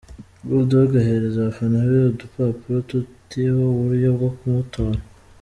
Bull Dogg ahereza abafana be udupapurro tutiho uburyo bwo kumutora.